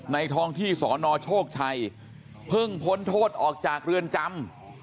ท้องที่สนโชคชัยเพิ่งพ้นโทษออกจากเรือนจำ